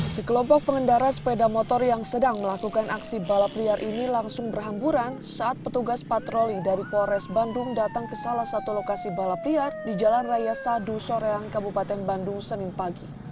sekelompok pengendara sepeda motor yang sedang melakukan aksi balap liar ini langsung berhamburan saat petugas patroli dari polres bandung datang ke salah satu lokasi balap liar di jalan raya sadu soreang kabupaten bandung senin pagi